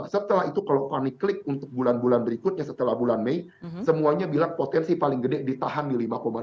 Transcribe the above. setelah itu kalau panik click untuk bulan bulan berikutnya setelah bulan mei semuanya bilang potensi paling gede ditahan di lima dua